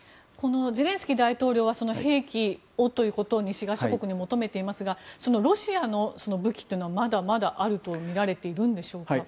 ゼレンスキー大統領は兵器をということに西側諸国に求めていますがロシアの武器というのはまだまだあるとみられていますか？